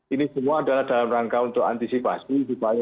ini semua adalah dalam rangka untuk antisipasi